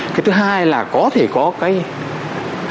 cái thứ hai là có thể có cái hành vi xử lý hành trình